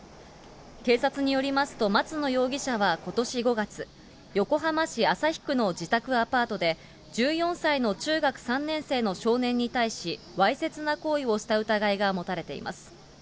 警察によりますと、松野容疑者はことし５月、横浜市旭区の自宅アパートで、１４歳の中学３年生の少年に対し、わいせつな行為をした疑いが持たれています。